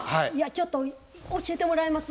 ちょっと教えてもらえます？